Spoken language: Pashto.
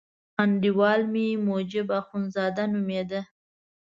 انډیوال مې حبیب اخندزاده نومېده.